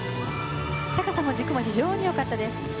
高さも軸も非常に良かったです。